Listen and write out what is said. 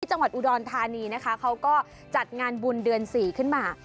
จังหวัดอุดรธานีนะคะเขาก็จัดงานบุญเดือน๔ขึ้นมา